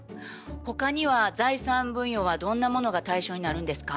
他には財産分与はどんなものが対象になるんですか？